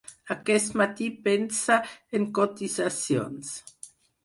Aquest matí pensa en cotitzacions.